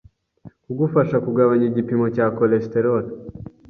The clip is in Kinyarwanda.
Kugufasha kugabanya igipimo cya cholesterol